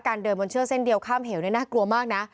เดินบนเชือกเส้นเดียวข้ามเหวนี่น่ากลัวมากนะ